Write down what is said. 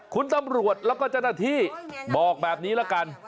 คุณตำรวจแล้วก็เจ้าหน้าที่บอกแบบนี้ละกัน